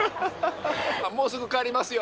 もうすぐ帰りますよ。